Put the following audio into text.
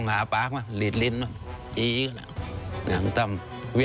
อันดับสุดท้าย